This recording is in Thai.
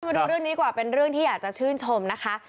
มาดูเรื่องนี้กว่าเป็นเรื่องที่อยากจะชื่นชมนะคะ